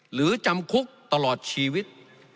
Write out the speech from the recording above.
หรือจำคุกตลอดชีวิต